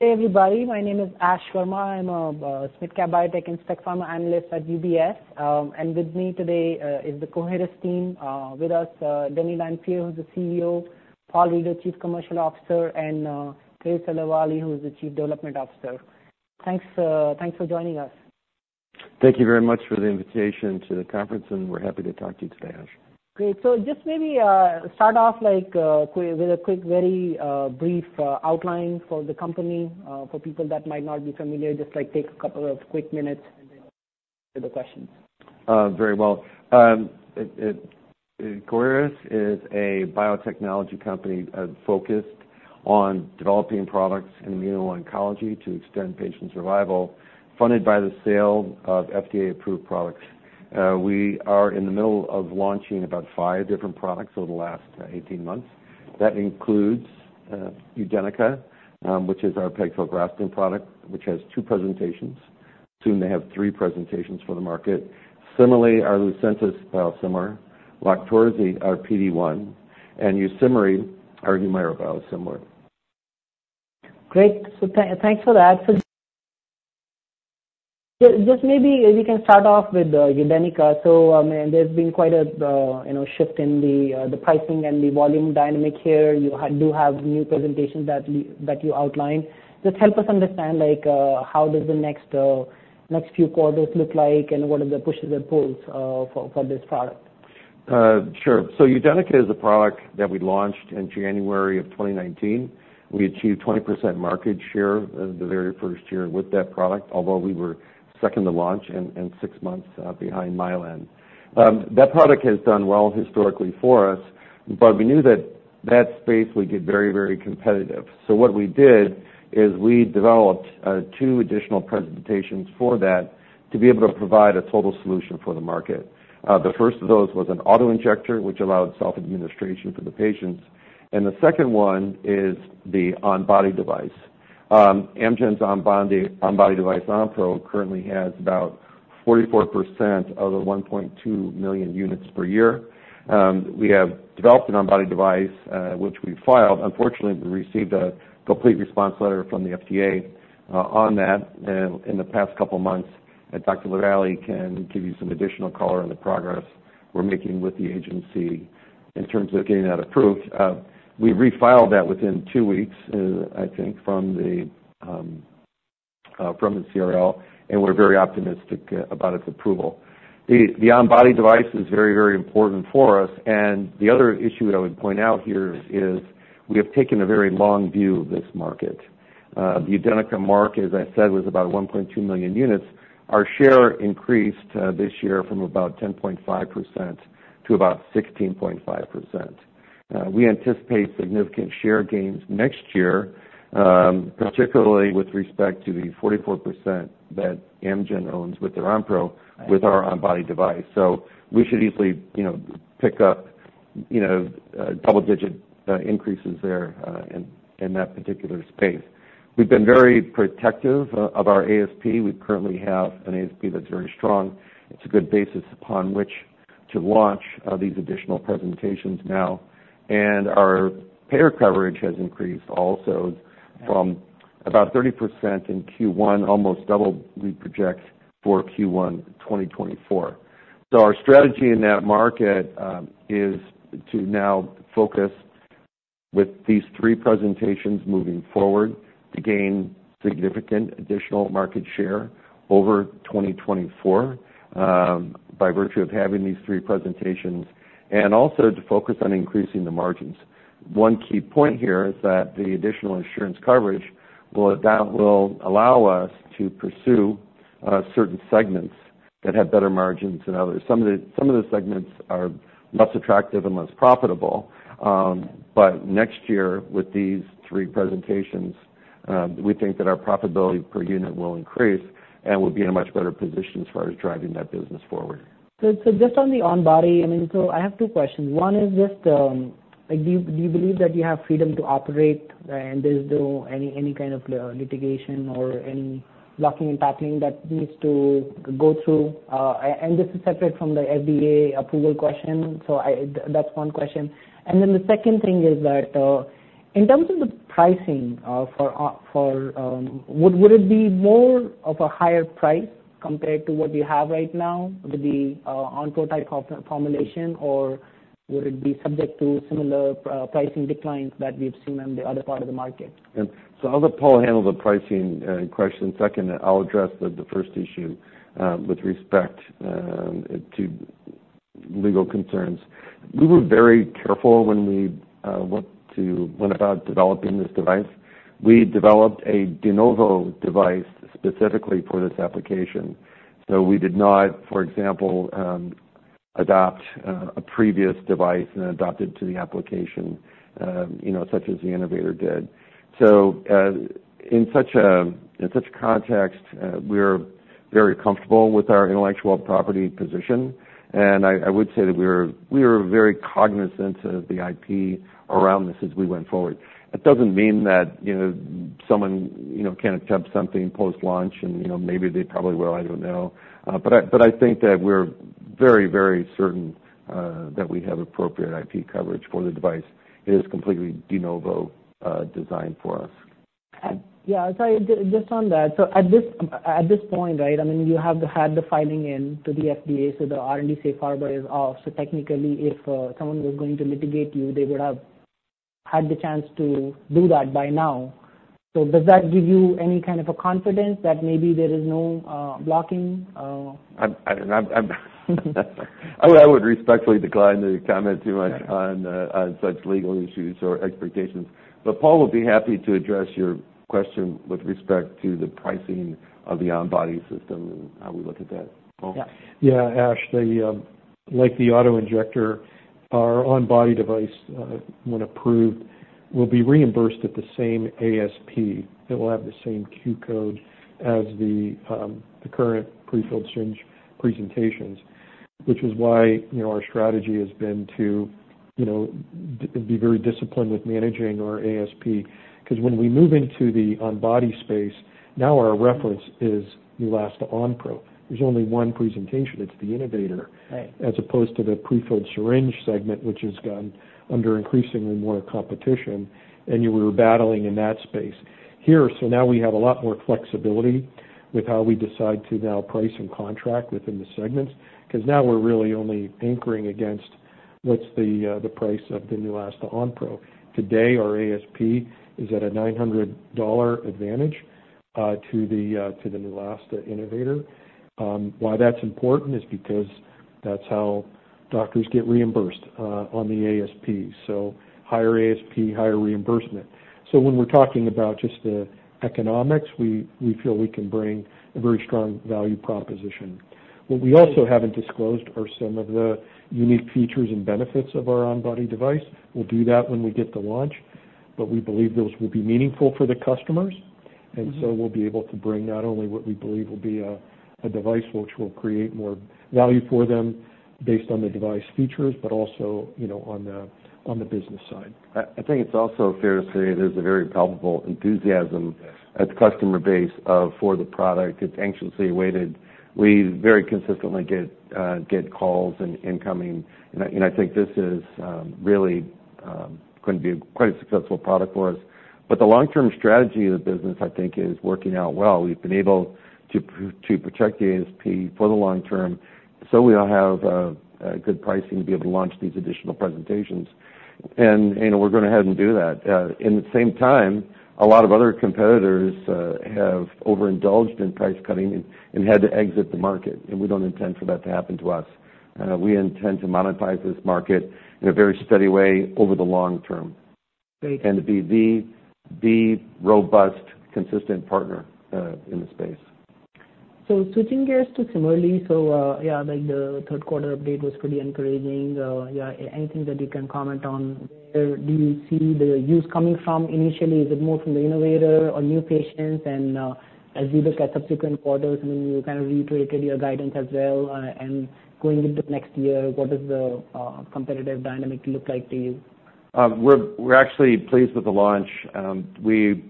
Hey, everybody, my name is Ash Verma. I'm a SMID-Cap Biotech and Specialty Pharma Analyst at UBS. With me today is the Coherus team. With us, Denny Lanfear, who's the CEO, Paul Reider, the Chief Commercial Officer, and Theresa LaVallee, who is the Chief Development Officer. Thanks, thanks for joining us. Thank you very much for the invitation to the conference, and we're happy to talk to you today, Ash. Great. So just maybe start off like with a quick, very brief outline for the company for people that might not be familiar. Just like take a couple of quick minutes, and then to the questions. Very well. Coherus is a biotechnology company, focused on developing products in immuno-oncology to extend patient survival, funded by the sale of FDA-approved products. We are in the middle of launching about five different products over the last 18 months. That includes UDENYCA, which is our pegfilgrastim product, which has two presentations. Soon to have three presentations for the market. Similarly, our Lucentis biosimilar, LOQTORZI, our PD-1, and YUSIMRY, our HUMIRA biosimilar. Great. So thanks for that. So just maybe if you can start off with UDENYCA. So and there's been quite a you know shift in the pricing and the volume dynamic here. You do have new presentations that you outlined. Just help us understand like how does the next next few quarters look like and what are the pushes and pulls for this product? Sure. So UDENYCA is a product that we launched in January of 2019. We achieved 20% market share in the very first year with that product, although we were second to launch and six months behind Mylan. That product has done well historically for us, but we knew that that space would get very, very competitive. So what we did is we developed two additional presentations for that to be able to provide a total solution for the market. The first of those was an auto-injector, which allowed self-administration for the patients, and the second one is the on-body device. Amgen's on-body device, Onpro, currently has about 44% of the 1.2 million units per year. We have developed an on-body device, which we filed. Unfortunately, we received a complete response letter from the FDA, on that, in the past couple months, and Dr. LaVallee can give you some additional color on the progress we're making with the agency in terms of getting that approved. We refiled that within two weeks, I think, from the, from the CRL, and we're very optimistic, about its approval. The, the on-body device is very, very important for us, and the other issue I would point out here is we have taken a very long view of this market. The UDENYCA market, as I said, was about 1.2 million units. Our share increased, this year from about 10.5% to about 16.5%. We anticipate significant share gains next year, particularly with respect to the 44% that Amgen owns with their Onpro, with our on-body device. So we should easily, you know, pick up, you know, double-digit increases there, in that particular space. We've been very protective of our ASP. We currently have an ASP that's very strong. It's a good basis upon which to launch these additional presentations now, and our payer coverage has increased also from about 30% in Q1, almost double, we project, for Q1 2024. So our strategy in that market is to now focus with these three presentations moving forward to gain significant additional market share over 2024, by virtue of having these three presentations, and also to focus on increasing the margins. One key point here is that the additional insurance coverage will, that will allow us to pursue certain segments that have better margins than others. Some of the segments are less attractive and less profitable, but next year, with these three presentations, we think that our profitability per unit will increase, and we'll be in a much better position as far as driving that business forward. So just on the on-body, I mean, so I have two questions. One is just like, do you believe that you have freedom to operate, and there's no any kind of litigation or any blocking and tackling that needs to go through? And this is separate from the FDA approval question, so I... That's one question. And then the second thing is that, in terms of the pricing, for for, would it be more of a higher price compared to what you have right now with the Onpro type co-formulation? Or would it be subject to similar pricing declines that we've seen on the other part of the market? Yeah. So I'll let Paul handle the pricing question. Second, I'll address the first issue with respect to legal concerns. We were very careful when we went about developing this device. We developed a de novo device specifically for this application, so we did not, for example, adopt a previous device and adopt it to the application, you know, such as the innovator did. So, in such context, we're very comfortable with our intellectual property position, and I would say that we were very cognizant of the IP around this as we went forward. That doesn't mean that, you know, someone, you know, can't attempt something post-launch, and, you know, maybe they probably will, I don't know. But I think that we're-... Very, very certain that we have appropriate IP coverage for the device. It is completely de novo design for us. Yeah, sorry, just on that. So at this point, right, I mean, you have had the filing in to the FDA, so the R&D safe harbor is off. So technically, if someone was going to litigate you, they would have had the chance to do that by now. So does that give you any kind of a confidence that maybe there is no blocking? I would respectfully decline to comment too much on such legal issues or expectations. But Paul will be happy to address your question with respect to the pricing of the on-body system and how we look at that. Paul? Yeah, Ash, the like the auto-injector, our on-body device, when approved, will be reimbursed at the same ASP. It will have the same Q-code as the the current prefilled syringe presentations, which is why, you know, our strategy has been to, you know, be very disciplined with managing our ASP. Because when we move into the on-body space, now our reference is Neulasta Onpro. There's only one presentation, it's the innovator- Right. As opposed to the prefilled syringe segment, which has gone under increasingly more competition, and you were battling in that space. Here, now we have a lot more flexibility with how we decide to now price and contract within the segments, 'cause now we're really only anchoring against what's the, the price of the Neulasta Onpro. Today, our ASP is at a $900 advantage, to the, to the Neulasta, innovator. Why that's important is because that's how doctors get reimbursed, on the ASP. So higher ASP, higher reimbursement. So when we're talking about just the economics, we, we feel we can bring a very strong value proposition. What we also haven't disclosed are some of the unique features and benefits of our on-body device. We'll do that when we get to launch, but we believe those will be meaningful for the customers. Mm-hmm. We'll be able to bring not only what we believe will be a device which will create more value for them based on the device features, but also, you know, on the business side. I think it's also fair to say there's a very palpable enthusiasm at the customer base for the product. It's anxiously awaited. We very consistently get calls and incoming. And I think this is really going to be quite a successful product for us. But the long-term strategy of the business, I think, is working out well. We've been able to protect the ASP for the long term, so we'll have a good pricing to be able to launch these additional presentations. And, you know, we're going ahead and do that. In the same time, a lot of other competitors have overindulged in price cutting and had to exit the market, and we don't intend for that to happen to us. We intend to monetize this market in a very steady way over the long term. Great. To be the robust, consistent partner in the space. So switching gears to CIMERLI. So, yeah, like the third quarter update was pretty encouraging. Yeah, anything that you can comment on, where do you see the use coming from initially? Is it more from the innovator or new patients? And, as you look at subsequent quarters, I mean, you kind of reiterated your guidance as well. And going into next year, what does the competitive dynamic look like to you? We're actually pleased with the launch. We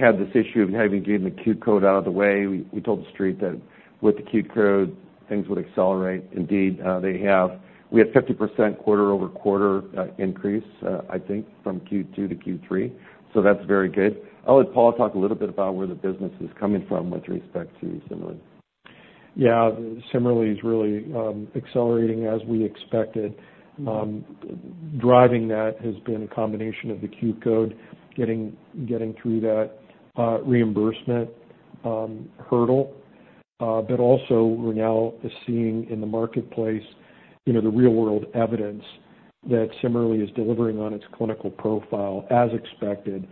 had this issue of having getting the Q-code out of the way. We told the street that with the Q-code, things would accelerate. Indeed, they have. We had 50% quarter-over-quarter increase, I think, from Q2 to Q3, so that's very good. I'll let Paul talk a little bit about where the business is coming from with respect to CIMERLI. Yeah. CIMERLI is really accelerating as we expected. Driving that has been a combination of the Q-code, getting through that reimbursement hurdle. But also, we're now seeing in the marketplace, you know, the real-world evidence that CIMERLI is delivering on its clinical profile as expected.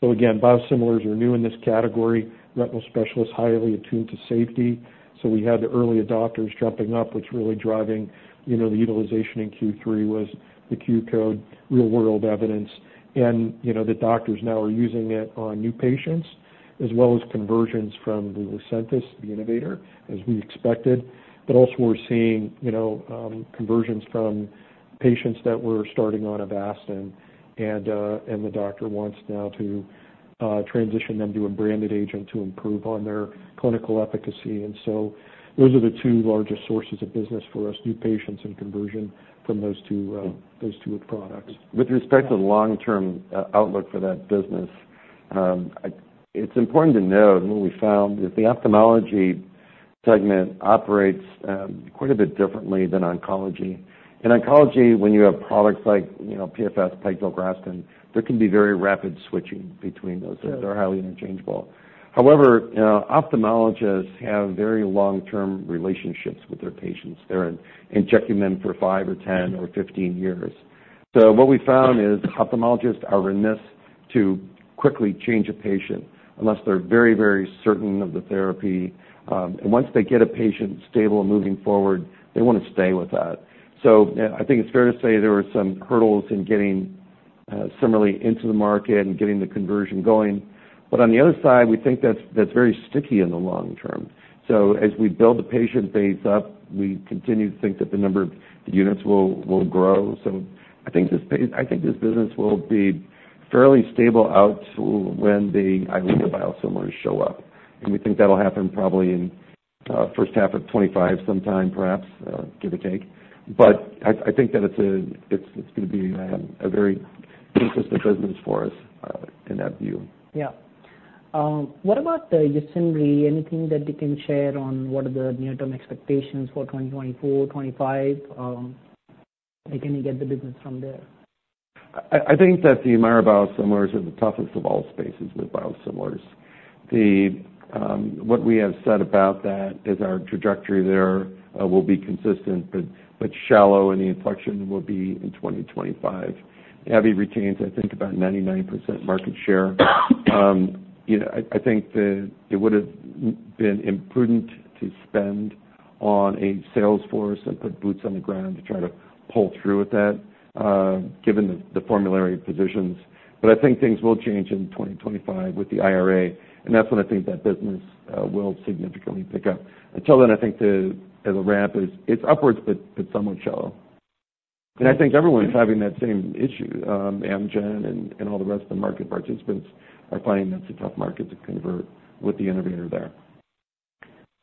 So again, biosimilars are new in this category, retinal specialists highly attuned to safety. So we had the early adopters jumping up, which really driving, you know, the utilization in Q3 was the Q-code, real-world evidence. And, you know, the doctors now are using it on new patients, as well as conversions from the Lucentis, the innovator, as we expected. But also we're seeing, you know, conversions from patients that were starting on Avastin, and the doctor wants now to transition them to a branded agent to improve on their clinical efficacy. Those are the two largest sources of business for us, new patients and conversion from those two products. With respect to the long-term outlook for that business, it's important to note, and what we found, is the ophthalmology segment operates quite a bit differently than oncology. In oncology, when you have products like, you know, PFS, pegfilgrastim, there can be very rapid switching between those. Yes. They're highly interchangeable. However, ophthalmologists have very long-term relationships with their patients. They're injecting them for five or 10 or 15 years. So what we found is ophthalmologists are remiss to quickly change a patient unless they're very, very certain of the therapy. And once they get a patient stable and moving forward, they want to stay with that. So I think it's fair to say there were some hurdles in getting CIMERLI into the market and getting the conversion going. But on the other side, we think that's very sticky in the long term. So as we build the patient base up, we continue to think that the number of units will grow. So I think this business will be fairly stable out to when the Eylea biosimilars show up. We think that'll happen probably in first half of 2025, sometime perhaps, give or take. But I think that it's gonna be a very consistent business for us in that view. Yeah. What about the YUSIMRY, anything that you can share on what are the near-term expectations for 2024, 2025? Where can you get the business from there? I think that the HUMIRA biosimilars are the toughest of all spaces with biosimilars. What we have said about that is our trajectory there will be consistent, but shallow, and the inflection will be in 2025. AbbVie retains, I think, about 99% market share. You know, I think that it would have been imprudent to spend on a sales force and put boots on the ground to try to pull through with that, given the formulary positions. But I think things will change in 2025 with the IRA, and that's when I think that business will significantly pick up. Until then, I think the ramp is upwards, but somewhat shallow. I think everyone's having that same issue, Amgen and all the rest of the market participants are finding that's a tough market to convert with the innovator there.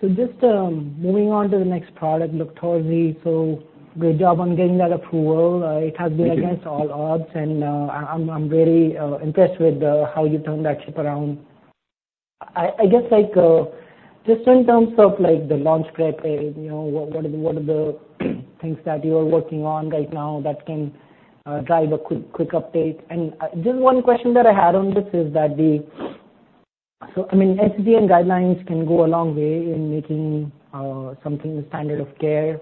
Just moving on to the next product, LOQTORZI. Great job on getting that approval. Thank you. It has been against all odds, and I'm, I'm very impressed with how you turned that ship around. I, I guess, like, just in terms of, like, the launch prep, you know, what, what are the, what are the things that you are working on right now that can drive a quick, quick update? And just one question that I had on this is that the... So, I mean, NCCN guidelines can go a long way in making something the standard of care.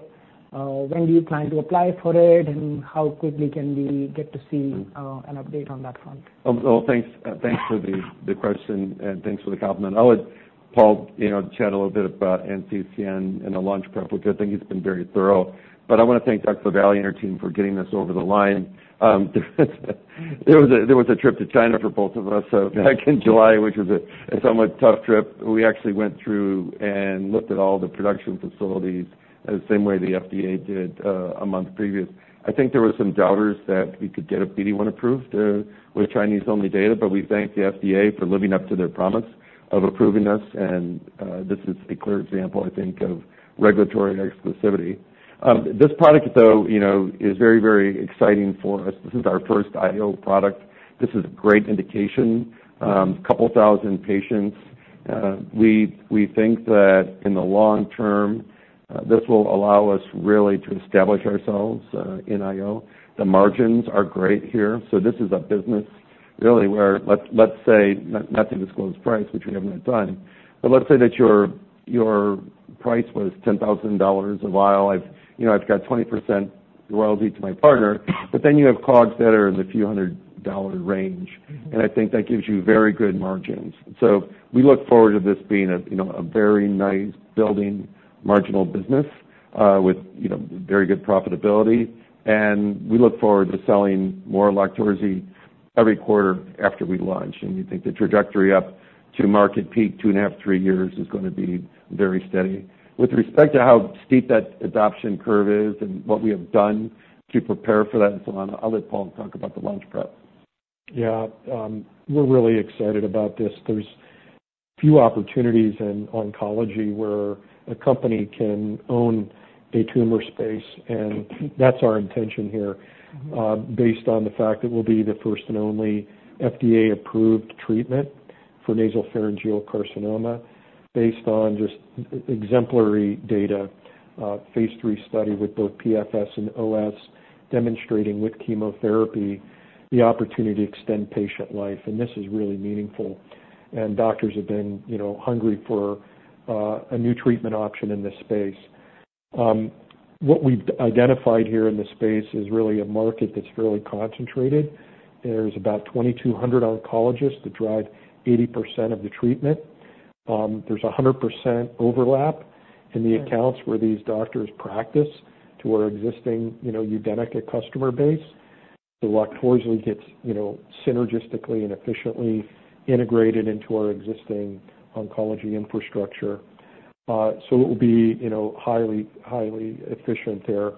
When do you plan to apply for it, and how quickly can we get to see an update on that front? Well, thanks, thanks for the question, and thanks for the compliment. I would—Paul, you know, chat a little bit about NCCN and the launch prep, which I think he's been very thorough. But I wanna thank Dr. LaVallee and her team for getting this over the line. There was a trip to China for both of us, so back in July, which was a somewhat tough trip. We actually went through and looked at all the production facilities the same way the FDA did, a month previous. I think there were some doubters that we could get a PD-1 approved, with Chinese-only data, but we thank the FDA for living up to their promise of approving us, and this is a clear example, I think, of regulatory exclusivity. This product, though, you know, is very, very exciting for us. This is our first IO product. This is a great indication. A couple thousand patients. We think that in the long term, this will allow us really to establish ourselves in IO. The margins are great here. So this is a business really where, let's say, not to disclose price, which we haven't had time, but let's say that your price was $10,000 a vial. You know, I've got 20% royalty to my partner, but then you have COGS that are in the few hundred dollar range, and I think that gives you very good margins. So we look forward to this being a, you know, a very nice building marginal business with, you know, very good profitability. We look forward to selling more LOQTORZI every quarter after we launch. We think the trajectory up to market peak, 2.5 to three years, is gonna be very steady. With respect to how steep that adoption curve is and what we have done to prepare for that and so on, I'll let Paul talk about the launch prep. Yeah. We're really excited about this. There's few opportunities in oncology where a company can own a tumor space, and that's our intention here, based on the fact that we'll be the first and only FDA-approved treatment for nasopharyngeal carcinoma based on just exemplary data, Phase III study with both PFS and OS, demonstrating with chemotherapy the opportunity to extend patient life, and this is really meaningful. And doctors have been, you know, hungry for a new treatment option in this space. What we've identified here in this space is really a market that's fairly concentrated. There's about 2,200 oncologists that drive 80% of the treatment. There's a 100% overlap in the accounts where these doctors practice to our existing, you know, UDENYCA customer base. So LOQTORZI gets, you know, synergistically and efficiently integrated into our existing oncology infrastructure. So it will be, you know, highly, highly efficient there.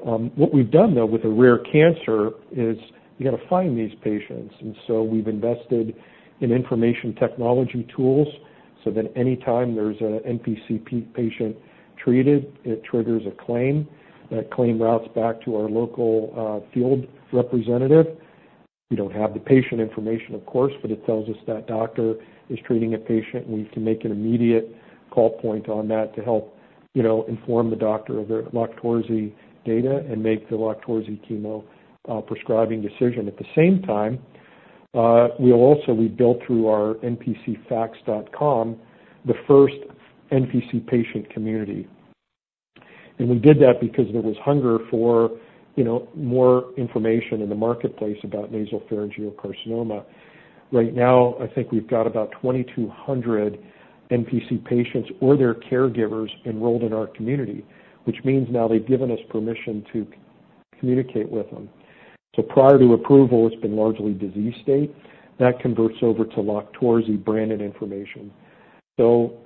What we've done, though, with a rare cancer is you gotta find these patients, and so we've invested in information technology tools so that any time there's a NPC patient treated, it triggers a claim. That claim routes back to our local field representative. We don't have the patient information, of course, but it tells us that doctor is treating a patient, and we can make an immediate call point on that to help, you know, inform the doctor of the LOQTORZI data and make the LOQTORZI chemo prescribing decision. At the same time, we also built through our npcfacts.com, the first NPC patient community. And we did that because there was hunger for, you know, more information in the marketplace about nasopharyngeal carcinoma. Right now, I think we've got about 2,200 NPC patients or their caregivers enrolled in our community, which means now they've given us permission to communicate with them. So prior to approval, it's been largely disease state. That converts over to LOQTORZI-branded information. So,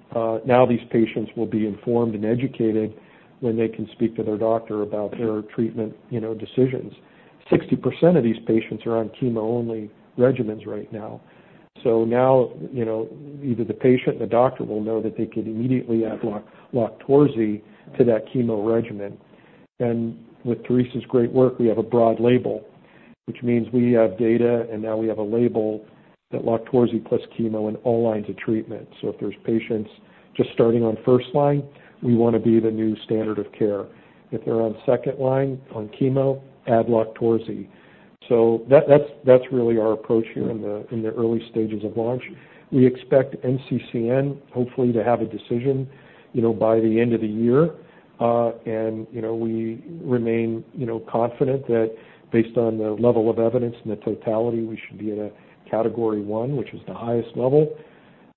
now these patients will be informed and educated when they can speak to their doctor about their treatment, you know, decisions. 60% of these patients are on chemo-only regimens right now. So now, you know, either the patient or the doctor will know that they could immediately add LOQTORZI to that chemo regimen.... With Theresa's great work, we have a broad label, which means we have data, and now we have a label that LOQTORZI plus chemo in all lines of treatment. So if there's patients just starting on first line, we wanna be the new standard of care. If they're on second line on chemo, add LOQTORZI. So that's really our approach here in the early stages of launch. We expect NCCN hopefully to have a decision, you know, by the end of the year. And, you know, we remain, you know, confident that based on the level of evidence and the totality, we should be in aCategory 1, which is the highest level.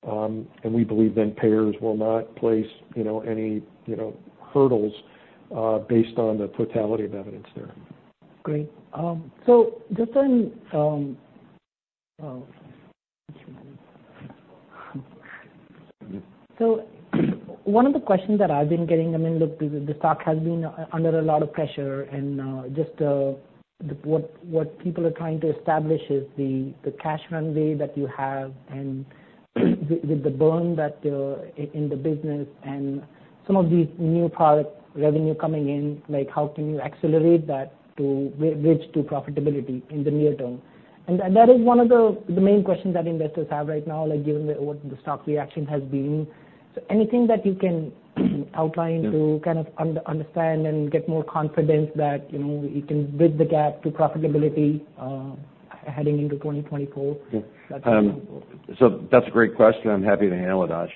And we believe then payers will not place, you know, any, you know, hurdles based on the totality of evidence there. Great. So just on, so one of the questions that I've been getting, I mean, look, the stock has been under a lot of pressure, and just what people are trying to establish is the cash runway that you have, and with the burn that in the business and some of these new product revenue coming in, like, how can you accelerate that to bridge to profitability in the near term? And that is one of the main questions that investors have right now, like, given what the stock reaction has been. So anything that you can outline- Yeah... to kind of understand and get more confidence that, you know, you can bridge the gap to profitability heading into 2024? Yeah. So that's a great question. I'm happy to handle it, Ash.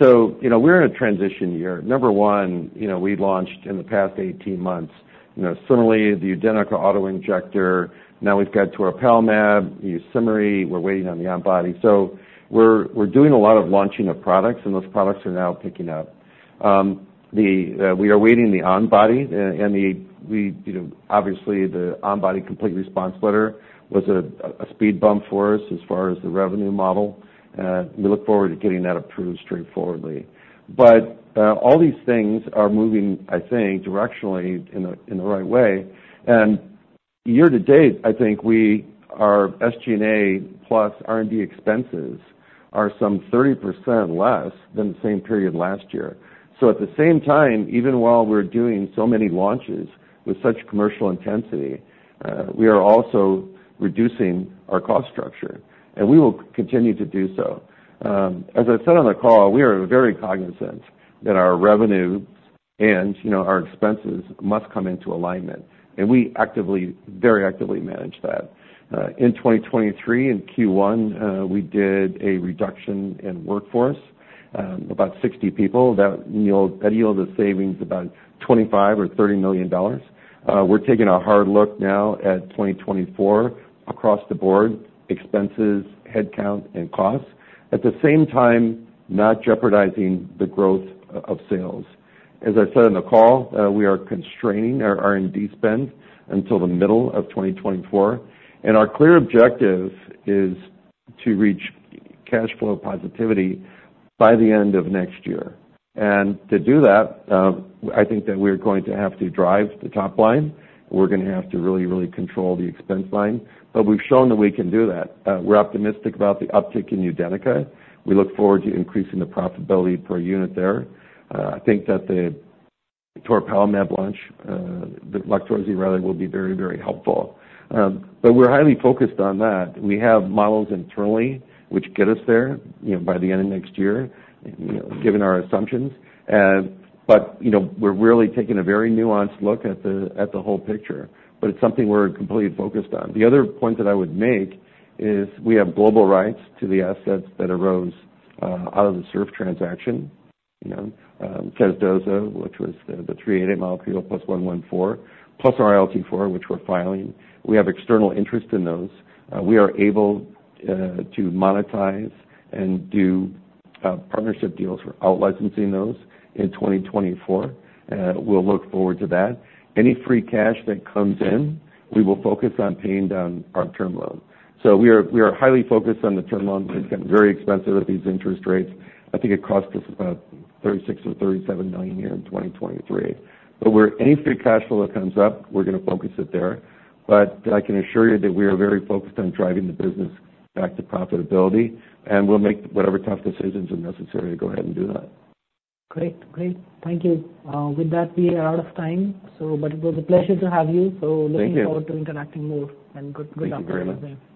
So, you know, we're in a transition year. Number one, you know, we launched in the past 18 months, you know, CIMERLI, the UDENYCA auto-injector, now we've got toripalimab, the YUSIMRY, we're waiting on the on-body. So we're doing a lot of launching of products, and those products are now picking up. We are waiting the on-body, and we, you know, obviously, the on-body complete response letter was a speed bump for us as far as the revenue model. We look forward to getting that approved straightforwardly. But all these things are moving, I think, directionally in the right way. And year to date, I think we, our SG&A plus R&D expenses are some 30% less than the same period last year. So at the same time, even while we're doing so many launches with such commercial intensity, we are also reducing our cost structure, and we will continue to do so. As I said on the call, we are very cognizant that our revenue and, you know, our expenses must come into alignment, and we actively, very actively manage that. In 2023, in Q1, we did a reduction in workforce, about 60 people. That yield, that yields a savings about $25 million-$30 million. We're taking a hard look now at 2024 across the board, expenses, headcount, and costs. At the same time, not jeopardizing the growth of sales. As I said in the call, we are constraining our R&D spend until the middle of 2024, and our clear objective is to reach cash flow positivity by the end of next year. To do that, I think that we're going to have to drive the top line. We're gonna have to really, really control the expense line, but we've shown that we can do that. We're optimistic about the uptick in UDENYCA. We look forward to increasing the profitability per unit there. I think that the toripalimab launch, the LOQTORZI rather, will be very, very helpful. But we're highly focused on that. We have models internally which get us there, you know, by the end of next year, you know, given our assumptions. But, you know, we're really taking a very nuanced look at the whole picture, but it's something we're completely focused on. The other point that I would make is we have global rights to the assets that arose out of the separation transaction, you know, casdozokitug, which was the 388 molecule, plus 114, plus ILT4, which we're filing. We have external interest in those. We are able to monetize and do partnership deals for out-licensing those in 2024. We'll look forward to that. Any free cash that comes in, we will focus on paying down our term loan. So we are highly focused on the term loan. It's gotten very expensive at these interest rates. I think it cost us about $36 million or $37 million here in 2023. But where any free cash flow that comes up, we're gonna focus it there. But I can assure you that we are very focused on driving the business back to profitability, and we'll make whatever tough decisions are necessary to go ahead and do that. Great. Great. Thank you. With that, we are out of time, so but it was a pleasure to have you. Thank you. So looking forward to interacting more, and good- Thank you very much. Good afternoon.